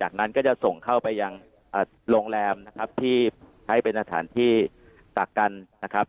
จากนั้นก็จะส่งเข้าไปยังโรงแรมนะครับที่ใช้เป็นสถานที่กักกันนะครับ